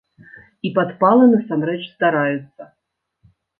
І падпалы насамрэч здараюцца.